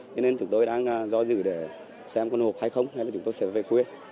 cho nên chúng tôi đang do dự để xem có nộp hay không hay là chúng tôi sẽ về quê